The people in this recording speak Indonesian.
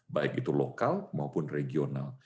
baik itu lokal maupun regional